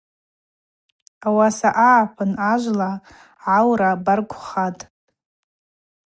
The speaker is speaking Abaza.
Ауаса агӏапын ажвла гӏаура баргвхатӏ.